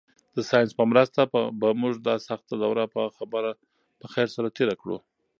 د ساینس په مرسته به موږ دا سخته دوره په خیر سره تېره کړو.